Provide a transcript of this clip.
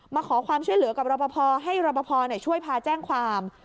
มาขอความช่วยเหลือกับรอปภให้รอปภช่วยพาแจ้งความ